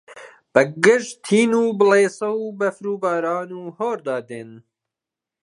بەگژ تین و بڵێسە و بەفر و باران و هەوردا دێن